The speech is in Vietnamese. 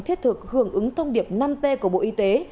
thiết thực hưởng ứng thông điệp năm t của bộ y tế